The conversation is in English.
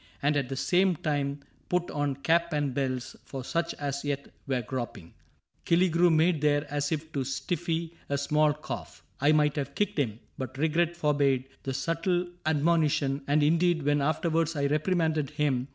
And at the same time put on cap and bells For such as yet were groping ?" Killigrew Made there as if to stifle a small cough. I might have kicked him, but regret forbade The subtle admonition ; and indeed When afterwards I reprimanded him.